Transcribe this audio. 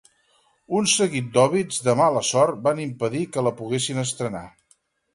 Un seguit d'òbits de mala sort van impedir que la poguessin estrenar.